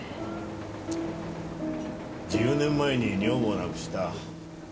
１０年前に女房を亡くした。